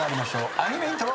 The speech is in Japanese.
アニメイントロ。